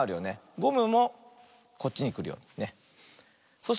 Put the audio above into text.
ゴムもこっちにくるように。